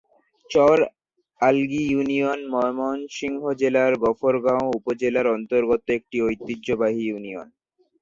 চর Algi union Mymensingh জেলার গফরগাঁও উপজেলার অন্তর্গত একটি ঐতিহ্যবাহী ইউনিয়ন।